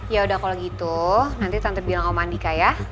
yaudah kalau gitu nanti tante bilang om andika ya